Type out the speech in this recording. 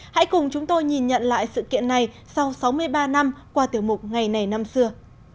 hãy cùng chúng tôi nhìn nhận lại sự kiện này sau sáu mươi ba năm qua tiểu mục ngày này năm xưa